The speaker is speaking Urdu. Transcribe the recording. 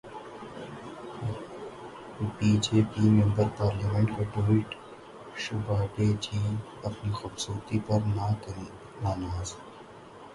بی جے پی ممبر پارلیمنٹ کا ٹویٹ، شوبھا ڈے جی ، اپنی خوبصورتی پر نہ کریں اتنا ناز